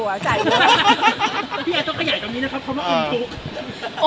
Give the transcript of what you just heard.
พี่แอลต้องขยายตรงนี้นะครับคำว่าอมทุกข์